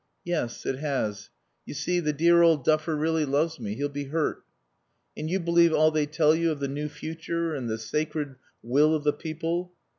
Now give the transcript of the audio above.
"Yes, it has. You see, the dear old duffer really loves me. He'll be hurt." "And you believe all they tell you of the new future and the sacred will of the people?"